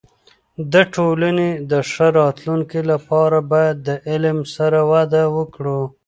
د ټولنې د ښه راتلونکي لپاره باید د علم سره وده وکړو.